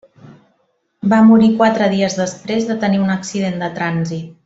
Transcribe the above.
Va morir quatre dies després de tenir un accident de trànsit.